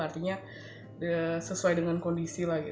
artinya sesuai dengan kondisi lah gitu